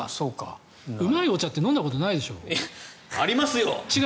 うまいお茶って飲んだことないでしょ？